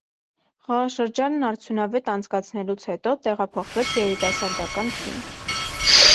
Խաղաշրջանն արդյունավետ անցկացնելուց հետո, տեղափոխվեց երիտասարդական թիմ։